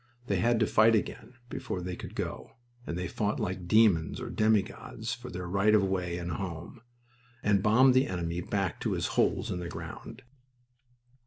They had to fight again before they could go, and they fought like demons or demigods for their right of way and home, and bombed the enemy back to his holes in the ground.